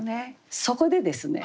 そこでですね